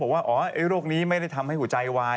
ว่าโรคนี้ไม่ได้ทำให้หัวใจวาย